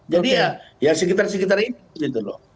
jadi ya sekitar sekitar itu